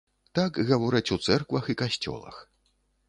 Так гавораць у цэрквах і касцёлах.